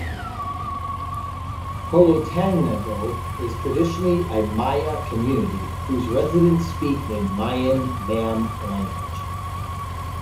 Colotenango is traditionally a Maya community whose residents speak the Mayan Mam language.